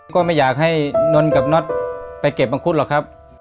ก็ไม่อยากให้นนกับน็อตไปเก็บมังคุดหรอกครับ